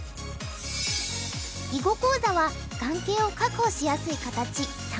囲碁講座は眼形を確保しやすい形三角形。